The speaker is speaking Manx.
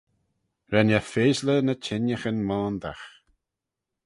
Ren eh feaysley ny çhengaghyn moandagh.